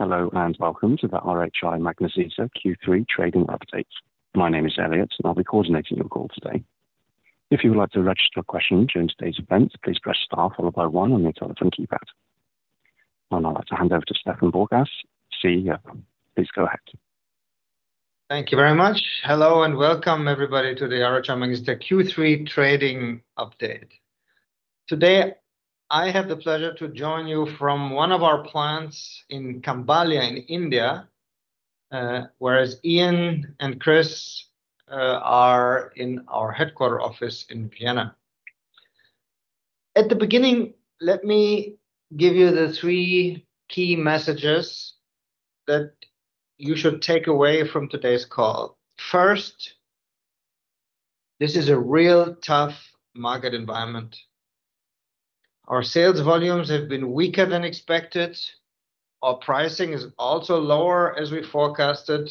Hello and welcome to the RHI Magnesita Q3 Trading Update. My name is Elliot, and I'll be coordinating your call today. If you would like to register a question during today's event, please press star followed by one on the telephone keypad. I'll now like to hand over to Stefan Borgas, CEO. Please go ahead. Thank you very much. Hello and welcome, everybody, to the RHI Magnesita Q3 Trading Update. Today, I have the pleasure to join you from one of our plants in Khambhalia, in India, whereas Ian and Chris are in our headquarters office in Vienna. At the beginning, let me give you the three key messages that you should take away from today's call. First, this is a real tough market environment. Our sales volumes have been weaker than expected. Our pricing is also lower as we forecasted.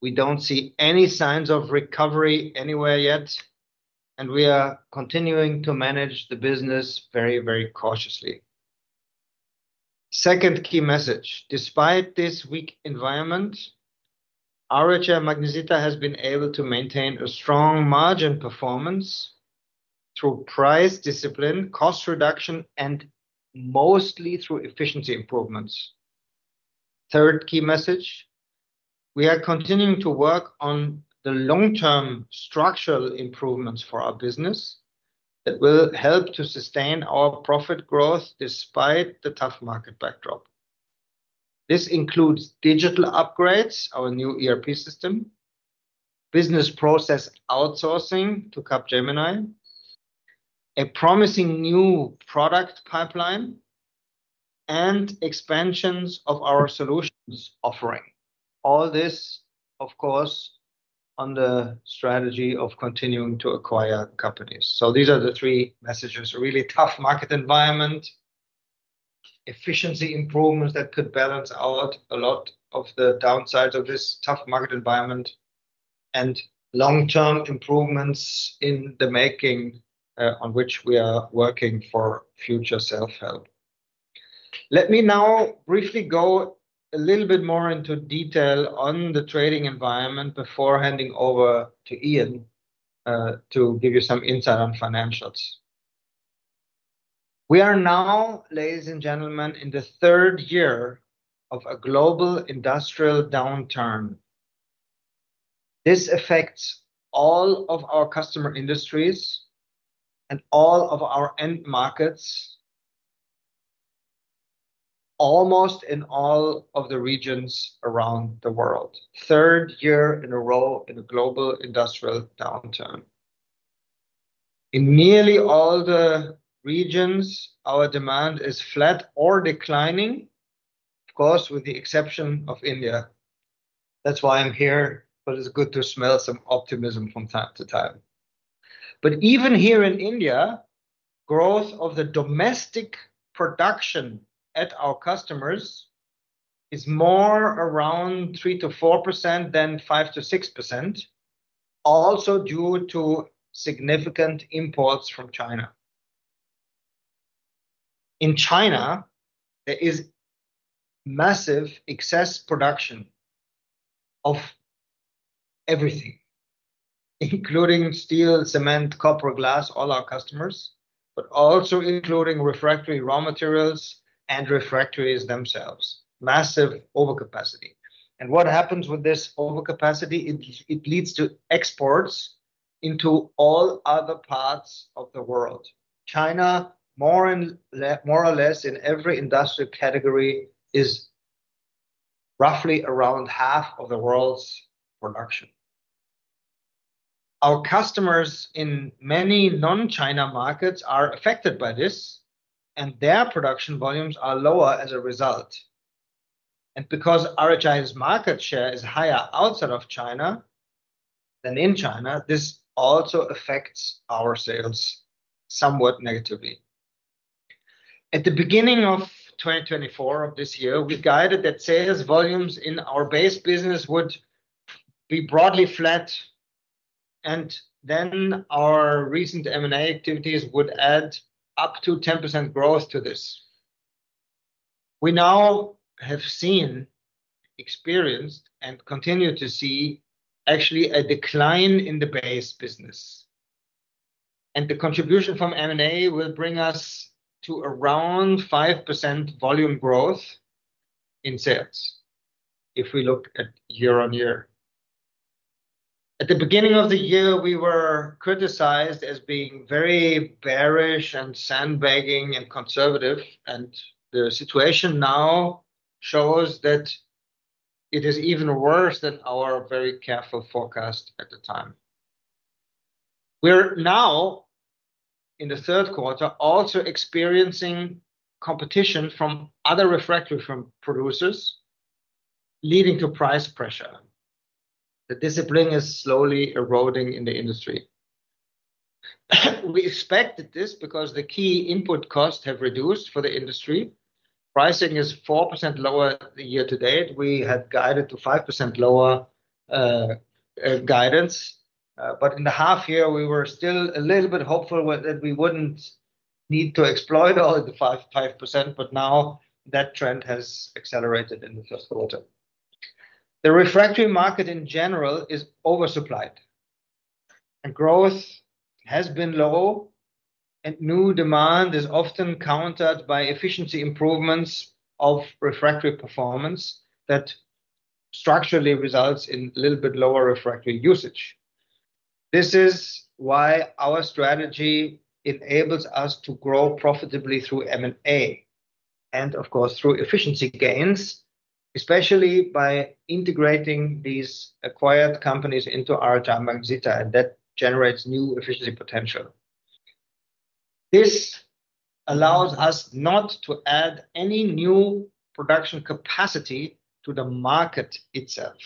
We don't see any signs of recovery anywhere yet, and we are continuing to manage the business very, very cautiously. Second key message: despite this weak environment, RHI Magnesita has been able to maintain a strong margin performance through price discipline, cost reduction, and mostly through efficiency improvements. Third key message: we are continuing to work on the long-term structural improvements for our business that will help to sustain our profit growth despite the tough market backdrop. This includes digital upgrades, our new ERP system, business process outsourcing to Capgemini, a promising new product pipeline, and expansions of our solutions offering. All this, of course, on the strategy of continuing to acquire companies. So these are the three messages: a really tough market environment, efficiency improvements that could balance out a lot of the downsides of this tough market environment, and long-term improvements in the making on which we are working for future self-help. Let me now briefly go a little bit more into detail on the trading environment before handing over to Ian to give you some insight on financials. We are now, ladies and gentlemen, in the third year of a global industrial downturn. This affects all of our customer industries and all of our end markets, almost in all of the regions around the world. Third year in a row in a global industrial downturn. In nearly all the regions, our demand is flat or declining, of course, with the exception of India. That's why I'm here, but it's good to smell some optimism from time to time. But even here in India, growth of the domestic production at our customers is more around 3%-4% than 5%-6%, also due to significant imports from China. In China, there is massive excess production of everything, including steel, cement, copper, glass, all our customers, but also including refractory raw materials and refractories themselves. Massive overcapacity. And what happens with this overcapacity? It leads to exports into all other parts of the world. China, more or less in every industrial category, is roughly around half of the world's production. Our customers in many non-China markets are affected by this, and their production volumes are lower as a result, and because RHI's market share is higher outside of China than in China, this also affects our sales somewhat negatively. At the beginning of 2024, of this year, we guided that sales volumes in our base business would be broadly flat, and then our recent M&A activities would add up to 10% growth to this. We now have seen, experienced, and continue to see actually a decline in the base business, and the contribution from M&A will bring us to around 5% volume growth in sales if we look at year on year. At the beginning of the year, we were criticized as being very bearish and sandbagging and conservative, and the situation now shows that it is even worse than our very careful forecast at the time. We're now, in the Q3, also experiencing competition from other refractory producers, leading to price pressure. The discipline is slowly eroding in the industry. We expected this because the key input costs have reduced for the industry. Pricing is 4% lower year to date. We had guided to 5% lower guidance, but in the half year, we were still a little bit hopeful that we wouldn't need to exploit all the 5%, but now that trend has accelerated in the Q1. The refractory market in general is oversupplied, and growth has been low, and new demand is often countered by efficiency improvements of refractory performance that structurally results in a little bit lower refractory usage. This is why our strategy enables us to grow profitably through M&A and, of course, through efficiency gains, especially by integrating these acquired companies into RHI Magnesita, and that generates new efficiency potential. This allows us not to add any new production capacity to the market itself.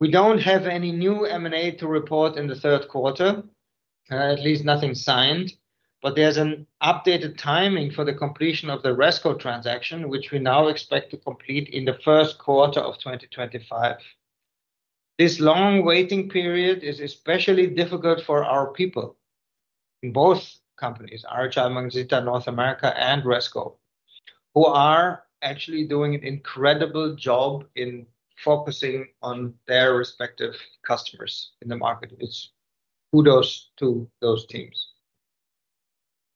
We don't have any new M&A to report in the Q3, at least nothing signed, but there's an updated timing for the completion of the Resco transaction, which we now expect to complete in the Q1 of 2025. This long waiting period is especially difficult for our people in both companies, RHI Magnesita North America and Resco, who are actually doing an incredible job in focusing on their respective customers in the market. Kudos to those teams.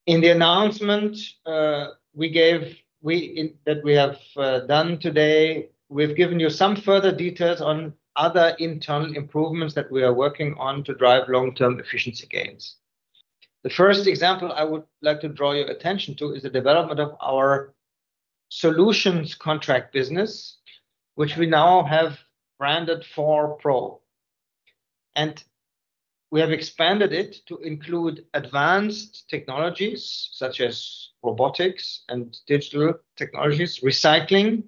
In the announcement we gave that we have done today, we've given you some further details on other internal improvements that we are working on to drive long-term efficiency gains. The first example I would like to draw your attention to is the development of our solutions contract business, which we now have branded 4PRO. And we have expanded it to include advanced technologies such as robotics and digital technologies, recycling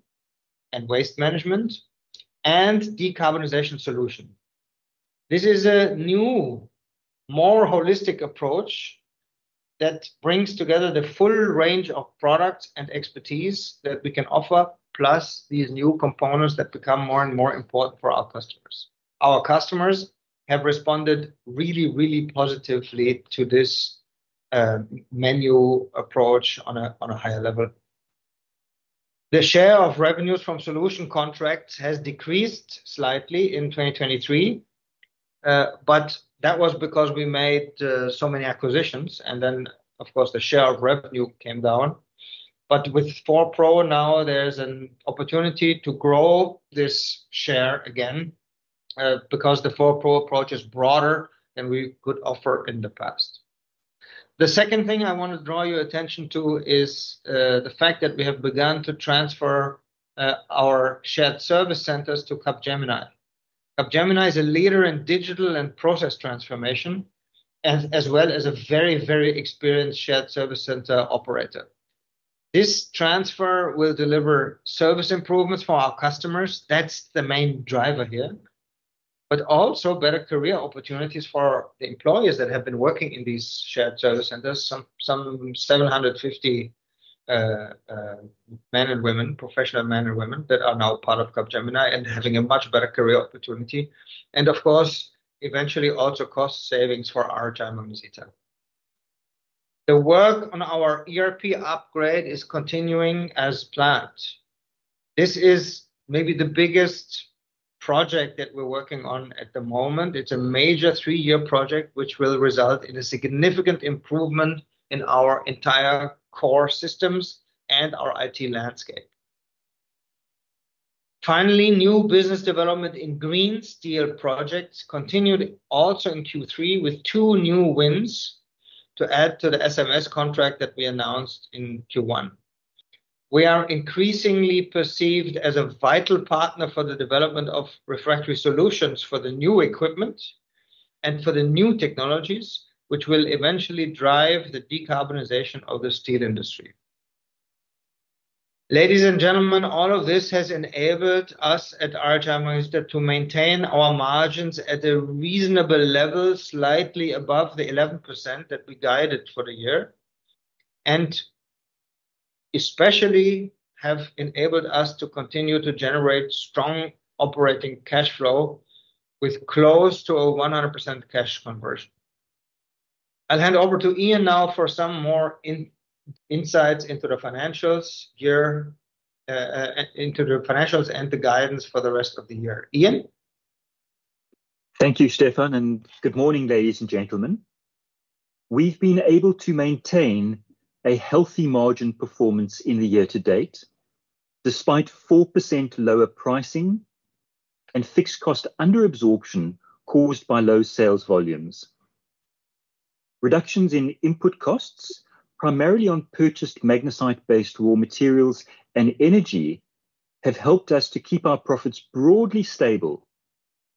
and waste management, and decarbonization solution. This is a new, more holistic approach that brings together the full range of products and expertise that we can offer, plus these new components that become more and more important for our customers. Our customers have responded really, really positively to this menu approach on a higher level. The share of revenues from solution contracts has decreased slightly in 2023, but that was because we made so many acquisitions, and then, of course, the share of revenue came down. But with 4PRO, now there's an opportunity to grow this share again because the 4PRO approach is broader than we could offer in the past. The second thing I want to draw your attention to is the fact that we have begun to transfer our shared service centers to Capgemini. Capgemini is a leader in digital and process transformation, as well as a very, very experienced shared service center operator. This transfer will deliver service improvements for our customers. That's the main driver here, but also better career opportunities for the employees that have been working in these shared service centers, some 750 men and women, professional men and women that are now part of Capgemini and having a much better career opportunity, and, of course, eventually also cost savings for RHI Magnesita. The work on our ERP upgrade is continuing as planned. This is maybe the biggest project that we're working on at the moment. It's a major three-year project which will result in a significant improvement in our entire core systems and our IT landscape. Finally, new business development in green steel projects continued also in Q3 with two new wins to add to the SMS contract that we announced in Q1. We are increasingly perceived as a vital partner for the development of refractory solutions for the new equipment and for the new technologies, which will eventually drive the decarbonization of the steel industry. Ladies and gentlemen, all of this has enabled us at RHI Magnesita to maintain our margins at a reasonable level, slightly above the 11% that we guided for the year, and especially have enabled us to continue to generate strong operating cash flow with close to a 100% cash conversion. I'll hand over to Ian now for some more insights into the financials and the guidance for the rest of the year. Ian. Thank you, Stefan, and good morning, ladies and gentlemen. We've been able to maintain a healthy margin performance in the year to date despite 4% lower pricing and fixed cost underabsorption caused by low sales volumes. Reductions in input costs, primarily on purchased magnesite-based raw materials and energy, have helped us to keep our profits broadly stable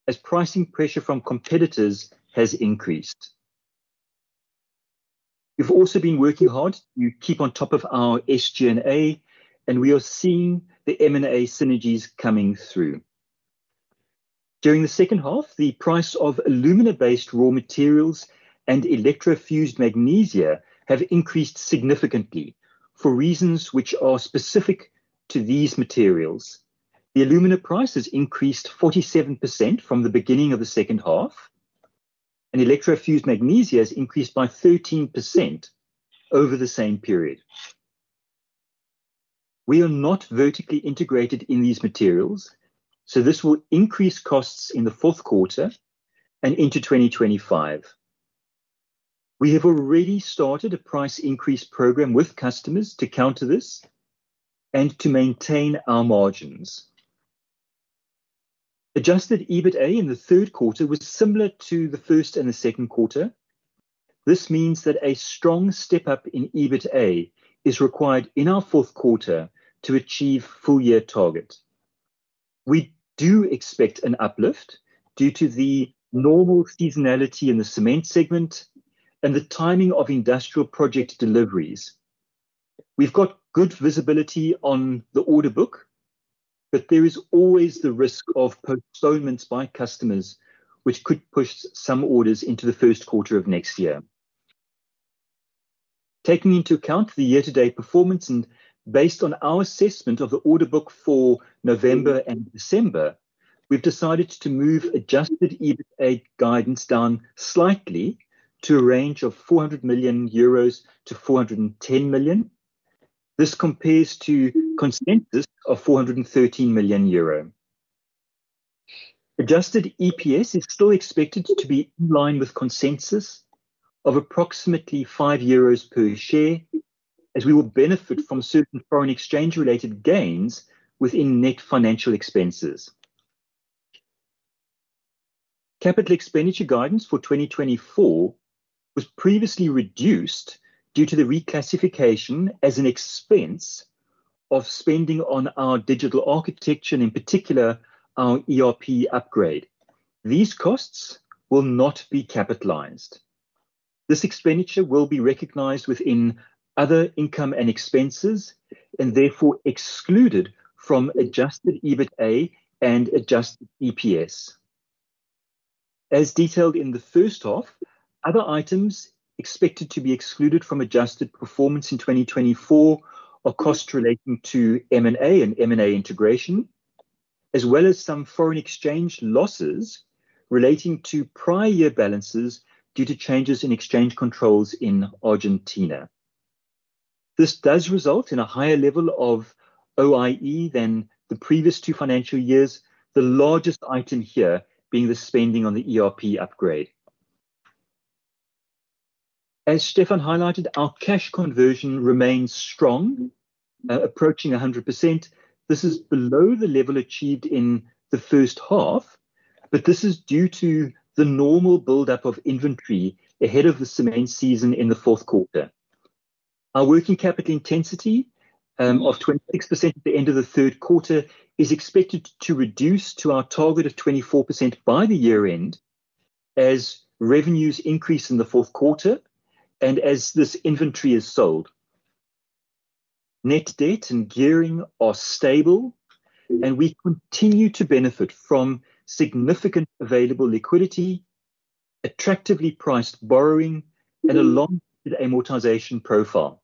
as pricing pressure from competitors has increased. We've also been working hard to keep on top of our SG&A, and we are seeing the M&A synergies coming through. During the second half, the price of alumina-based raw materials and electrofused magnesia have increased significantly for reasons which are specific to these materials. The alumina price has increased 47% from the beginning of the second half, and electrofused magnesia has increased by 13% over the same period. We are not vertically integrated in these materials, so this will increase costs in the Q4 and into 2025. We have already started a price increase program with customers to counter this and to maintain our margins. Adjusted EBITA in the Q3 was similar to the first and the second quarter. This means that a strong step up in EBITA is required in our Q4 to achieve full-year target. We do expect an uplift due to the normal seasonality in the cement segment and the timing of industrial project deliveries. We've got good visibility on the order book, but there is always the risk of postponements by customers, which could push some orders into the Q1 of next year. Taking into account the year-to-date performance and based on our assessment of the order book for November and December, we've decided to move Adjusted EBITA guidance down slightly to a range of €400-€410 million. This compares to consensus of €413 million. Adjusted EPS is still expected to be in line with consensus of approximately €5 per share, as we will benefit from certain foreign exchange-related gains within net financial expenses. Capital expenditure guidance for 2024 was previously reduced due to the reclassification as an expense of spending on our digital architecture and, in particular, our ERP upgrade. These costs will not be capitalized. This expenditure will be recognized within other income and expenses and therefore excluded from Adjusted EBITA and Adjusted EPS. As detailed in the first half, other items expected to be excluded from adjusted performance in 2024 are costs relating to M&A and M&A integration, as well as some foreign exchange losses relating to prior year balances due to changes in exchange controls in Argentina. This does result in a higher level of OIE than the previous two financial years, the largest item here being the spending on the ERP upgrade. As Stefan highlighted, our cash conversion remains strong, approaching 100%. This is below the level achieved in the first half, but this is due to the normal buildup of inventory ahead of the cement season in the Q4. Our working capital intensity of 26% at the end of the Q3 is expected to reduce to our target of 24% by the year end as revenues increase in the Q4 and as this inventory is sold. Net debt and gearing are stable, and we continue to benefit from significant available liquidity, attractively priced borrowing, and a long-term amortization profile.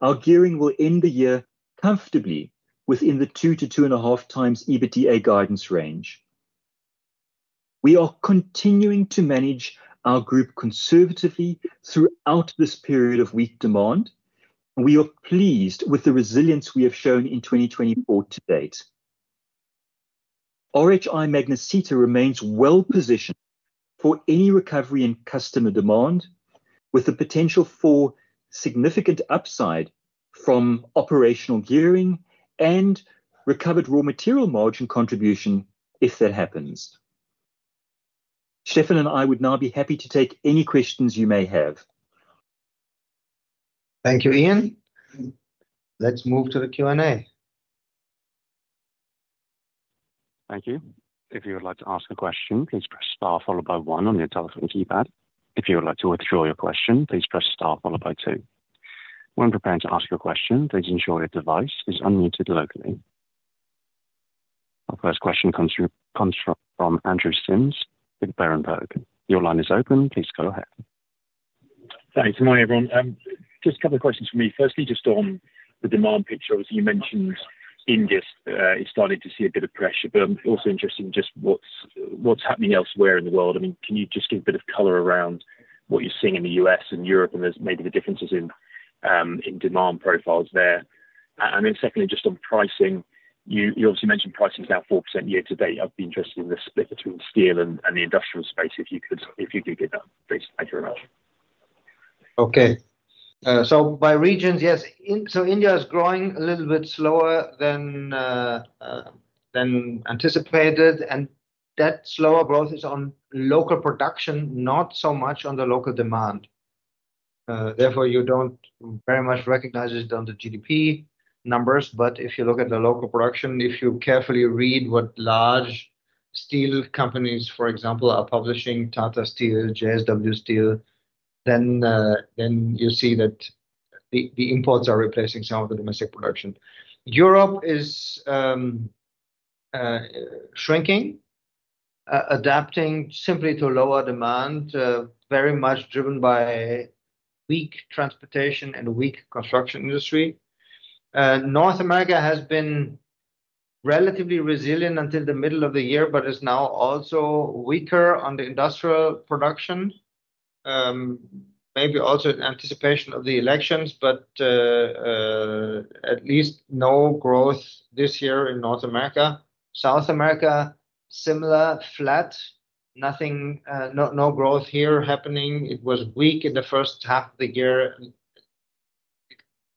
Our gearing will end the year comfortably within the two to two and a half times EBITA guidance range. We are continuing to manage our group conservatively throughout this period of weak demand, and we are pleased with the resilience we have shown in 2024 to date. RHI Magnesita remains well positioned for any recovery in customer demand, with the potential for significant upside from operational gearing and recovered raw material margin contribution if that happens. Stefan and I would now be happy to take any questions you may have. Thank you, Ian. Let's move to the Q&A. Thank you. If you would like to ask a question, please press star followed by one on your telephone keypad. If you would like to withdraw your question, please press star followed by two. When preparing to ask your question, please ensure your device is unmuted locally. Our first question comes from Andrew Simms with Berenberg. Your line is open. Please go ahead. Thanks. Good morning, everyone. Just a couple of questions for me. Firstly, just on the demand picture, obviously, you mentioned India is starting to see a bit of pressure, but I'm also interested in just what's happening elsewhere in the world. I mean, can you just give a bit of color around what you're seeing in the US and Europe and maybe the differences in demand profiles there? And then secondly, just on pricing, you obviously mentioned pricing is now 4% year to date. I'd be interested in the split between steel and the industrial space if you could give me that. Thanks very much. Okay. So by regions, yes. India is growing a little bit slower than anticipated, and that slower growth is on local production, not so much on the local demand. Therefore, you don't very much recognize it on the GDP numbers, but if you look at the local production, if you carefully read what large steel companies, for example, are publishing, Tata Steel, JSW Steel, then you see that the imports are replacing some of the domestic production. Europe is shrinking, adapting simply to lower demand, very much driven by weak transportation and weak construction industry. North America has been relatively resilient until the middle of the year, but is now also weaker on the industrial production, maybe also in anticipation of the elections, but at least no growth this year in North America. South America, similar, flat, no growth here happening. It was weak in the first half of the year.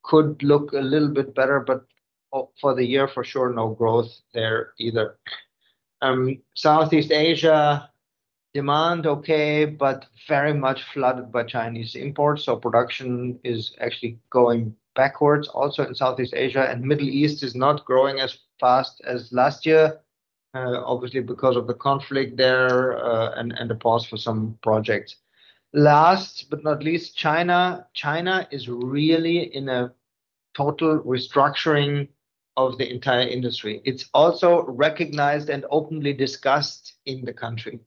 It could look a little bit better, but for the year, for sure, no growth there either. Southeast Asia, demand okay, but very much flooded by Chinese imports, so production is actually going backwards. Also in Southeast Asia, and the Middle East is not growing as fast as last year, obviously because of the conflict there and the pause for some projects. Last but not least, China. China is really in a total restructuring of the entire industry. It's also recognized and openly discussed in the country.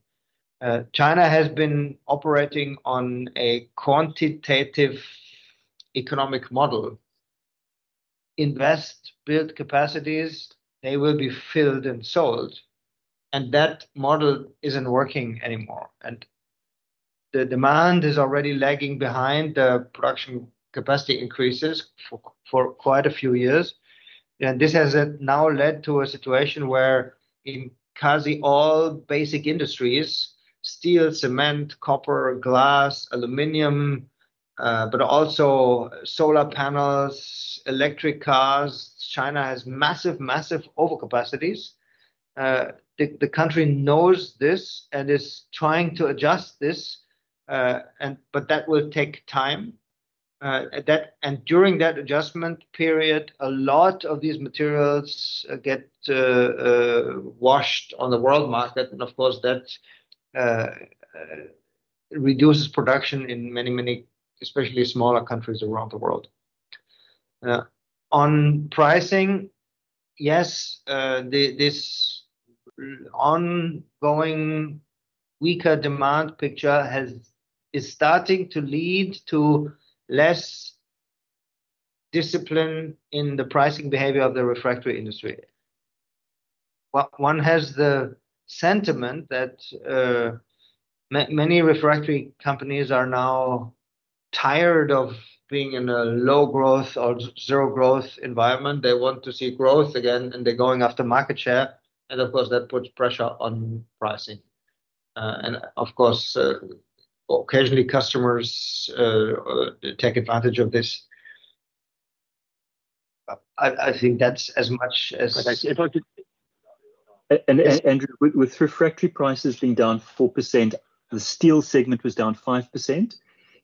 China has been operating on a quantitative economic model. Invest, build capacities, they will be filled and sold, and that model isn't working anymore, and the demand is already lagging behind the production capacity increases for quite a few years. And this has now led to a situation where in quasi all basic industries, steel, cement, copper, glass, aluminum, but also solar panels, electric cars, China has massive, massive overcapacities. The country knows this and is trying to adjust this, but that will take time. And during that adjustment period, a lot of these materials get washed on the world market, and of course, that reduces production in many, many, especially smaller countries around the world. On pricing, yes, this ongoing weaker demand picture is starting to lead to less discipline in the pricing behavior of the refractory industry. One has the sentiment that many refractory companies are now tired of being in a low-growth or zero-growth environment. They want to see growth again, and they're going after market share. And of course, that puts pressure on pricing. And of course, occasionally, customers take advantage of this. I think that's as much as. And Andrew, with refractory prices being down 4%, the steel segment was down 5%,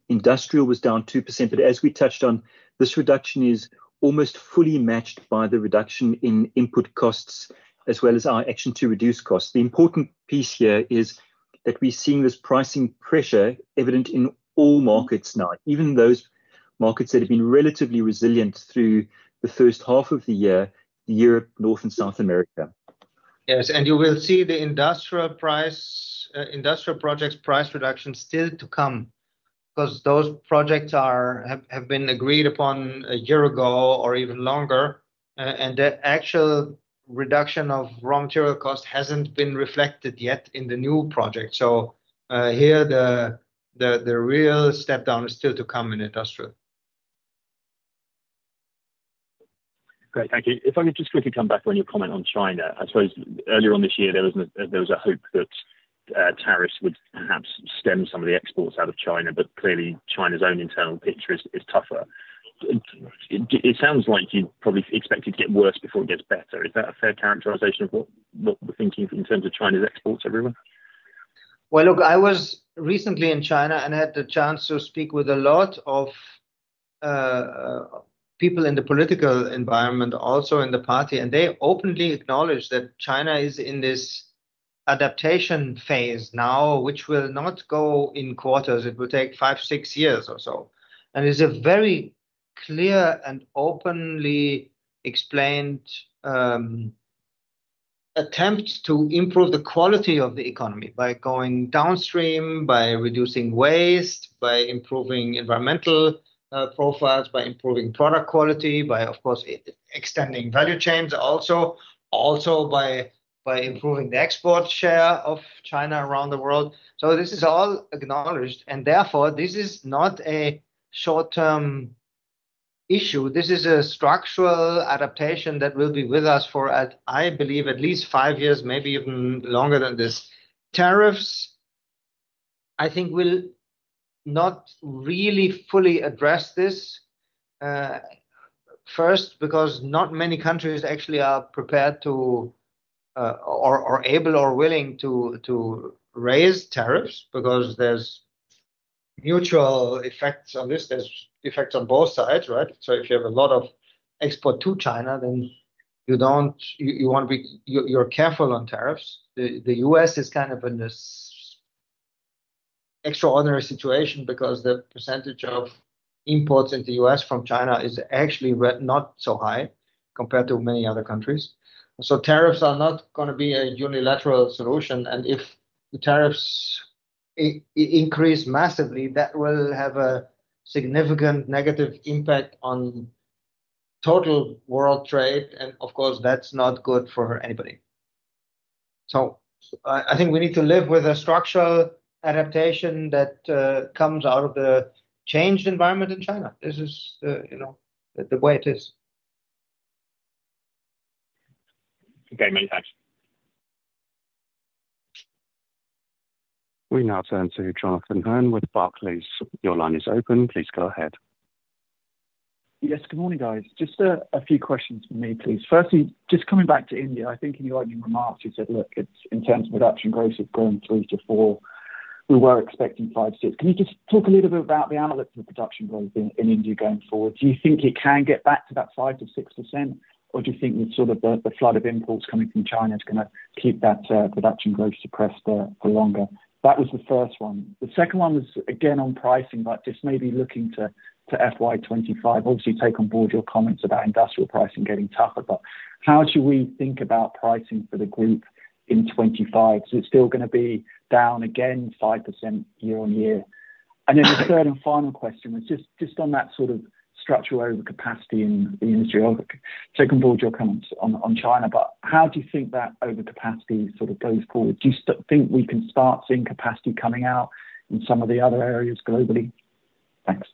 industrial was down 2%. But as we touched on, this reduction is almost fully matched by the reduction in input costs as well as our action to reduce costs. The important piece here is that we're seeing this pricing pressure evident in all markets now, even those markets that have been relatively resilient through the first half of the year, Europe, North, and South America. Yes, and you will see the industrial projects' price reduction still to come because those projects have been agreed upon a year ago or even longer, and the actual reduction of raw material cost hasn't been reflected yet in the new project, so here, the real step down is still to come in industrial. Great. Thank you. If I could just quickly come back on your comment on China, I suppose earlier on this year, there was a hope that tariffs would perhaps stem some of the exports out of China, but clearly, China's own internal picture is tougher. It sounds like you probably expect it to get worse before it gets better. Is that a fair characterization of what we're thinking in terms of China's exports everywhere? Look, I was recently in China and had the chance to speak with a lot of people in the political environment, also in the party, and they openly acknowledge that China is in this adaptation phase now, which will not go in quarters. It will take five, six years or so. And it's a very clear and openly explained attempt to improve the quality of the economy by going downstream, by reducing waste, by improving environmental profiles, by improving product quality, by, of course, extending value chains also, also by improving the export share of China around the world. So this is all acknowledged, and therefore, this is not a short-term issue. This is a structural adaptation that will be with us for, I believe, at least five years, maybe even longer than this. Tariffs, I think, will not really fully address this first because not many countries actually are prepared or able or willing to raise tariffs because there's mutual effects on this. There's effects on both sides, right? So if you have a lot of export to China, then you want to be careful on tariffs. The U.S. is kind of in this extraordinary situation because the percentage of imports into the U.S. from China is actually not so high compared to many other countries. So tariffs are not going to be a unilateral solution. And if the tariffs increase massively, that will have a significant negative impact on total world trade, and of course, that's not good for anybody. So I think we need to live with a structural adaptation that comes out of the changed environment in China. This is the way it is. Okay. Many thanks. We now turn to Jonathan Hearn with Barclays. Your line is open. Please go ahead. Yes. Good morning, guys. Just a few questions for me, please. Firstly, just coming back to India, I think in your remarks, you said, "Look, in terms of production growth, it's grown 3%-4%. We were expecting 5%-6%." Can you just talk a little bit about the analytics of production growth in India going forward? Do you think it can get back to that 5%-6%, or do you think sort of the flood of imports coming from China is going to keep that production growth suppressed for longer? That was the first one. The second one was, again, on pricing, but just maybe looking to FY25, obviously, take on board your comments about industrial pricing getting tougher, but how should we think about pricing for the group in 25? Is it still going to be down again 5% year on year? Then the third and final question was just on that sort of structural overcapacity in the industry. I'll take on board your comments on China, but how do you think that overcapacity sort of goes forward? Do you think we can start seeing capacity coming out in some of the other areas globally? Thanks.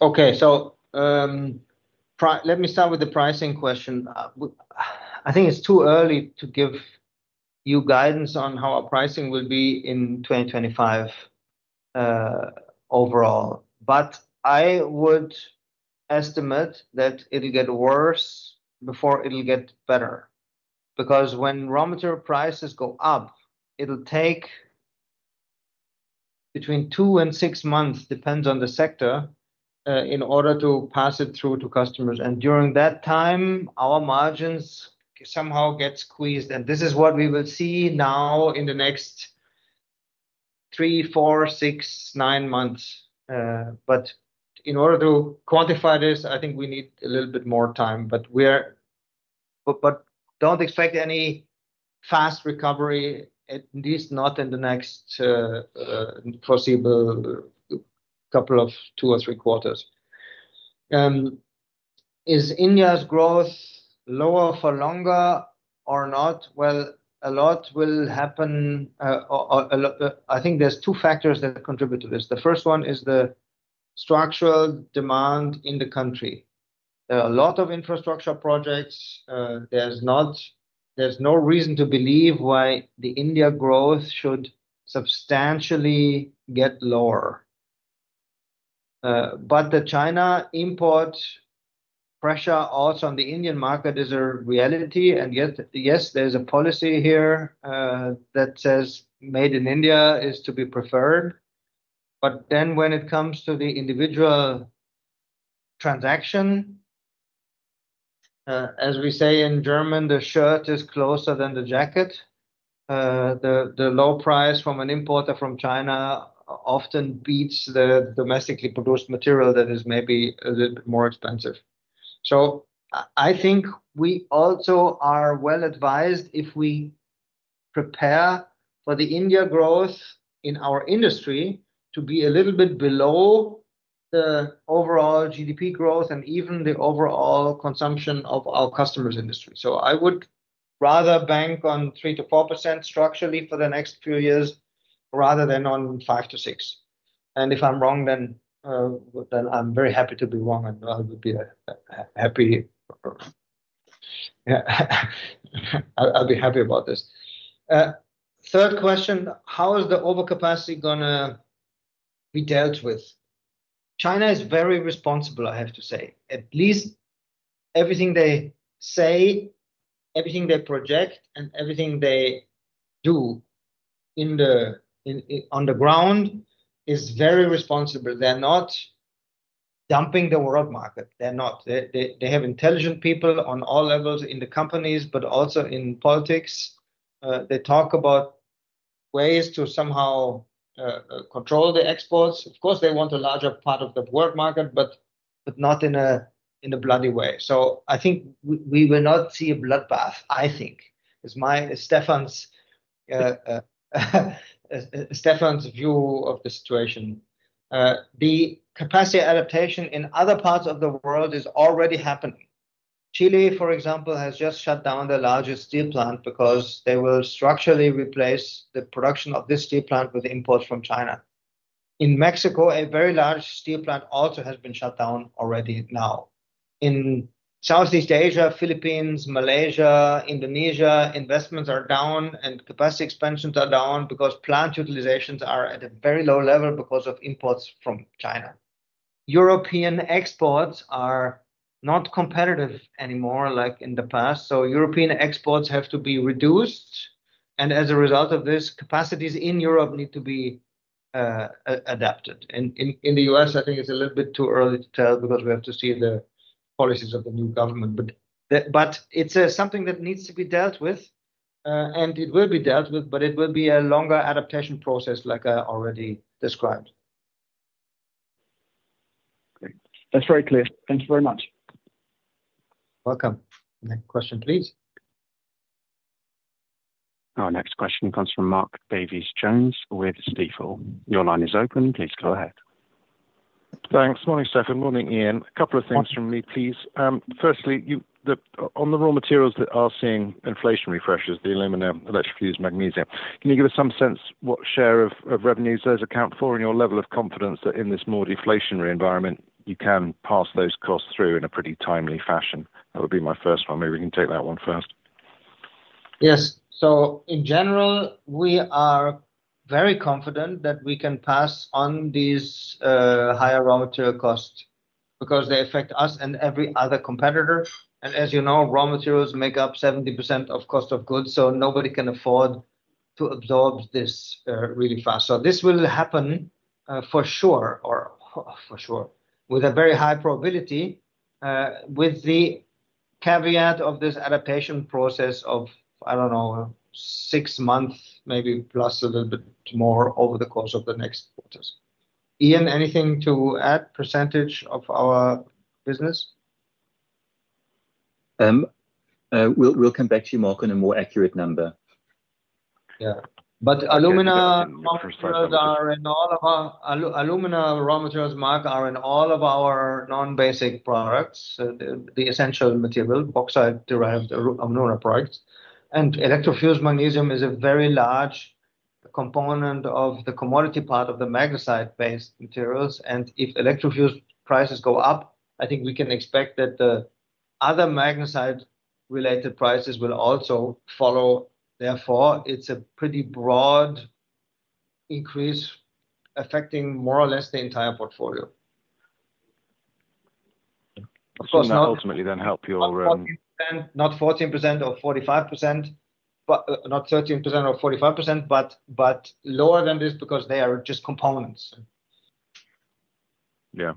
Okay, so let me start with the pricing question. I think it's too early to give you guidance on how our pricing will be in 2025 overall, but I would estimate that it'll get worse before it'll get better because when raw material prices go up, it'll take between two and six months, depends on the sector, in order to pass it through to customers, and during that time, our margins somehow get squeezed, and this is what we will see now in the next three, four, six, nine months, but in order to quantify this, I think we need a little bit more time, but don't expect any fast recovery, at least not in the next foreseeable couple of two or three quarters. Is India's growth lower for longer or not? Well, a lot will happen. I think there's two factors that contribute to this. The first one is the structural demand in the country. There are a lot of infrastructure projects. There's no reason to believe why the India growth should substantially get lower, but the China import pressure also on the Indian market is a reality. Yes, there's a policy here that says made in India is to be preferred, but then when it comes to the individual transaction, as we say in German, the shirt is closer than the jacket. The low price from an importer from China often beats the domestically produced material that is maybe a little bit more expensive, so I think we also are well advised if we prepare for the India growth in our industry to be a little bit below the overall GDP growth and even the overall consumption of our customers' industry. So I would rather bank on 3%-4% structurally for the next few years rather than on 5%-6%. And if I'm wrong, then I'm very happy to be wrong, and I would be happy. I'll be happy about this. Third question, how is the overcapacity going to be dealt with? China is very responsible, I have to say. At least everything they say, everything they project, and everything they do on the ground is very responsible. They're not dumping the world market. They're not. They have intelligent people on all levels in the companies, but also in politics. They talk about ways to somehow control the exports. Of course, they want a larger part of the world market, but not in a bloody way. So I think we will not see a bloodbath, I think, is Stefan's view of the situation. The capacity adaptation in other parts of the world is already happening. Chile, for example, has just shut down the largest steel plant because they will structurally replace the production of this steel plant with imports from China. In Mexico, a very large steel plant also has been shut down already now. In Southeast Asia, Philippines, Malaysia, Indonesia, investments are down, and capacity expansions are down because plant utilizations are at a very low level because of imports from China. European exports are not competitive anymore like in the past, so European exports have to be reduced, and as a result of this, capacities in Europe need to be adapted. In the US, I think it's a little bit too early to tell because we have to see the policies of the new government. But it's something that needs to be dealt with, and it will be dealt with, but it will be a longer adaptation process, like I already described. Okay. That's very clear. Thank you very much. Welcome. Next question, please. Our next question comes from Mark Davies Jones with Stifel. Your line is open. Please go ahead. Thanks. Morning, Stefan. Morning, Ian. A couple of things from me, please. Firstly, on the raw materials that are seeing inflationary pressures, the alumina, electrofused magnesia, can you give us some sense what share of revenues those account for and your level of confidence that in this more deflationary environment, you can pass those costs through in a pretty timely fashion? That would be my first one. Maybe we can take that one first. Yes. So in general, we are very confident that we can pass on these higher raw material costs because they affect us and every other competitor. And as you know, raw materials make up 70% of cost of goods, so nobody can afford to absorb this really fast. So this will happen for sure, or for sure, with a very high probability with the caveat of this adaptation process of, I don't know, six months, maybe plus a little bit more over the course of the next quarters. Ian, anything to add, percentage of our business? We'll come back to you, Mark, on a more accurate number. Yeah. But alumina raw materials are in all of our non-basic products, the essential material, bauxite-derived alumina products. And electrofused magnesia is a very large component of the commodity part of the magnesite-based materials. And if electrofused magnesia prices go up, I think we can expect that the other magnesite-related prices will also follow. Therefore, it's a pretty broad increase affecting more or less the entire portfolio. So it will ultimately then help your. Not 14% or 45%, not 13% or 45%, but lower than this because they are just components. Yeah,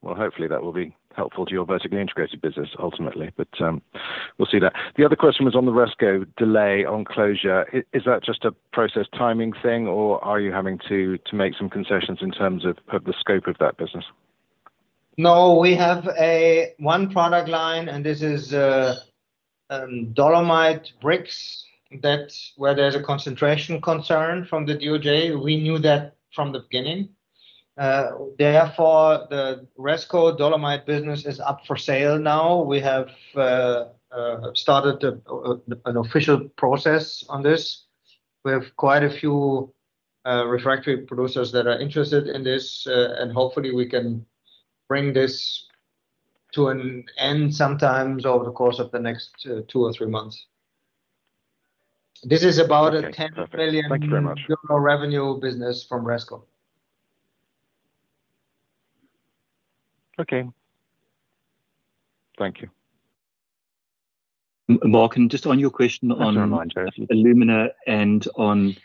well, hopefully, that will be helpful to your vertically integrated business ultimately, but we'll see that. The other question was on the RESCO delay on closure. Is that just a process timing thing, or are you having to make some concessions in terms of the scope of that business? No, we have one product line, and this is dolomite bricks where there's a concentration concern from the DOJ. We knew that from the beginning. Therefore, the RESCO dolomite business is up for sale now. We have started an official process on this. We have quite a few refractory producers that are interested in this, and hopefully, we can bring this to an end sometime over the course of the next two or three months. This is about a €10 million revenue business from RESCO. Okay. Thank you. Mark, and just on your question on alumina and on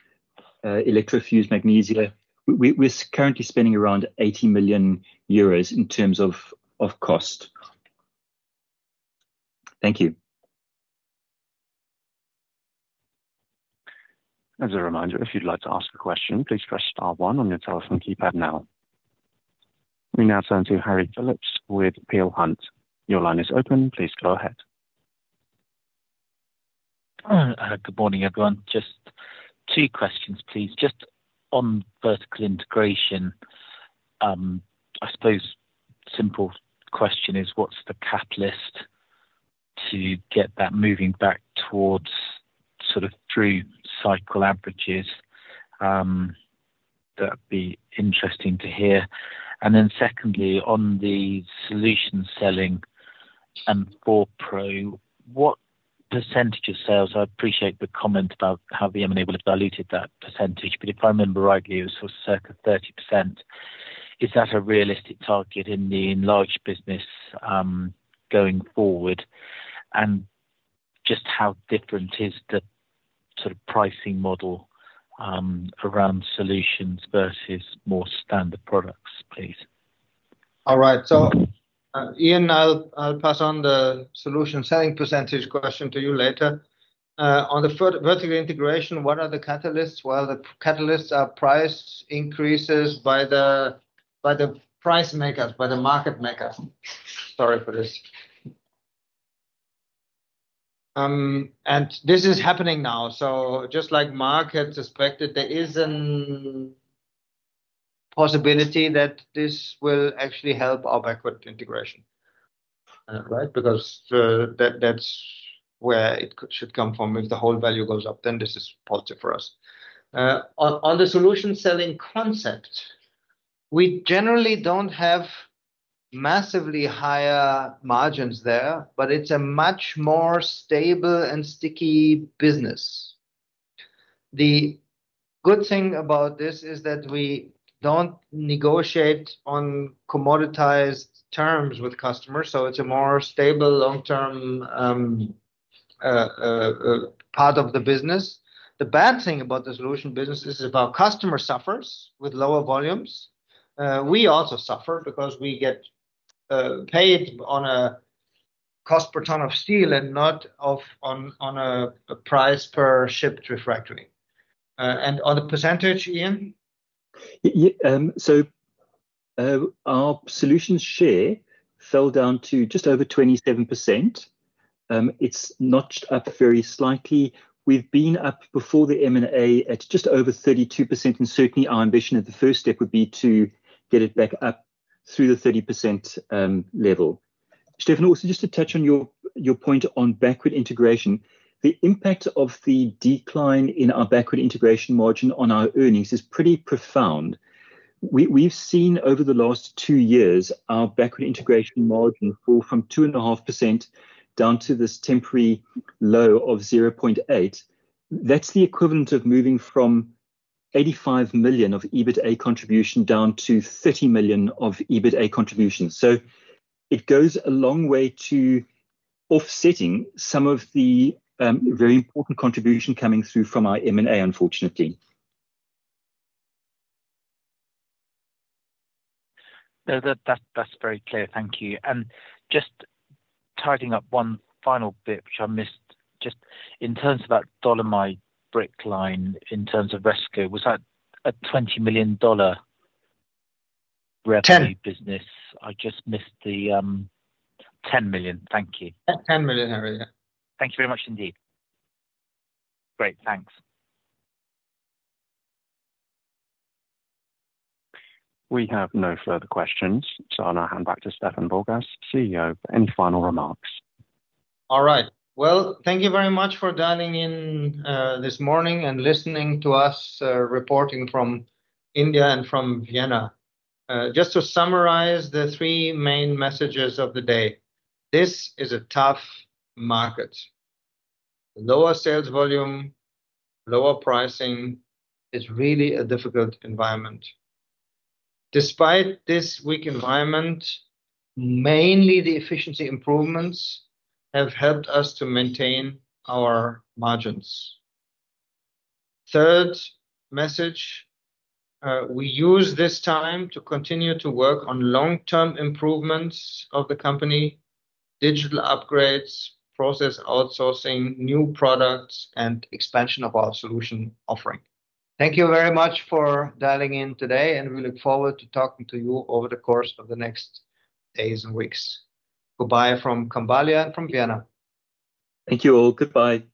electrofused magnesia, we're currently spending around 80 million euros in terms of cost. Thank you. As a reminder, if you'd like to ask a question, please press star one on your telephone keypad now. We now turn to Harry Phillips with Peel Hunt. Your line is open. Please go ahead. Good morning, everyone. Just two questions, please. Just on vertical integration, I suppose simple question is, what's the catalyst to get that moving back towards sort of through cycle averages? That'd be interesting to hear. And then secondly, on the solution selling and 4PRO, what percentage of sales? I appreciate the comment about how the M&A will have diluted that percentage, but if I remember rightly, it was sort of circa 30%. Is that a realistic target in the enlarged business going forward? And just how different is the sort of pricing model around solutions versus more standard products, please? All right. So Ian, I'll pass on the solution selling percentage question to you later. On the vertical integration, what are the catalysts? Well, the catalysts are price increases by the price makers, by the market makers. Sorry for this. And this is happening now. So just like Mark had suspected, there is a possibility that this will actually help our backward integration, right? Because that's where it should come from. If the whole value goes up, then this is positive for us. On the solution selling concept, we generally don't have massively higher margins there, but it's a much more stable and sticky business. The good thing about this is that we don't negotiate on commoditized terms with customers, so it's a more stable long-term part of the business. The bad thing about the solution business is if our customer suffers with lower volumes, we also suffer because we get paid on a cost per ton of steel and not on a price per shipped refractory, and on the percentage, Ian? Our solution share fell down to just over 27%. It's notched up very slightly. We've been up before the M&A at just over 32%, and certainly our ambition at the first step would be to get it back up through the 30% level. Stefan, also just to touch on your point on backward integration, the impact of the decline in our backward integration margin on our earnings is pretty profound. We've seen over the last two years our backward integration margin fall from 2.5% down to this temporary low of 0.8%. That's the equivalent of moving from €85 million of EBITA contribution down to €30 million of EBITA contribution. So it goes a long way to offsetting some of the very important contribution coming through from our M&A, unfortunately. That's very clear. Thank you. And just tidying up one final bit which I missed, just in terms of that dolomite brick line in terms of RESCO, was that a $20 million revenue business? I just missed the 10 million. Thank you. 10 million, Harry. Yeah. Thank you very much indeed. Great. Thanks. We have no further questions, so I'll now hand back to Stefan Borgas, CEO, for any final remarks. All right. Well, thank you very much for dialing in this morning and listening to us reporting from India and from Vienna. Just to summarize the three main messages of the day, this is a tough market. Lower sales volume, lower pricing is really a difficult environment. Despite this weak environment, mainly the efficiency improvements have helped us to maintain our margins. Third message, we use this time to continue to work on long-term improvements of the company, digital upgrades, process outsourcing, new products, and expansion of our solution offering. Thank you very much for dialing in today, and we look forward to talking to you over the course of the next days and weeks. Goodbye from Khambhalia and from Vienna. Thank you all. Goodbye.